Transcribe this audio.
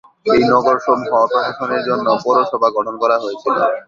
এই নগর সমূহ প্রশাসনের জন্য পৌরসভা গঠন করা হয়েছিল।